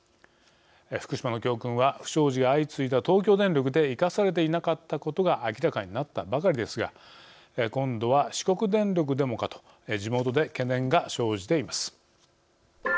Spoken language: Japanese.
福島の教訓は不祥事が相次いだ東京電力で生かされていなかったことが明らかになったばかりですが今度は四国電力でもかと地元で懸念が生じています。